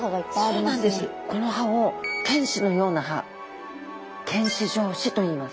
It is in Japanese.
この歯を犬歯のような歯犬歯状歯といいます。